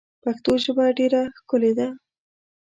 پښتو ژبه ډیر ښکلی ده.